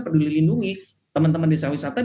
peduli lindungi teman teman desa wisata